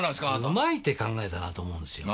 うまい手考えたなと思うんですよ。